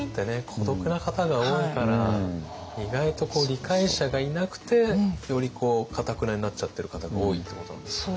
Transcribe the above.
孤独な方が多いから意外とこう理解者がいなくてよりかたくなになっちゃってる方が多いってことなんですかね。